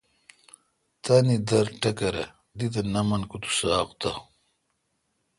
تانی در ٹکرہ دی تہ نہ من کو تو ساق تہ